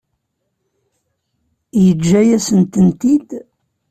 Yeǧǧa-yasent-tent-id?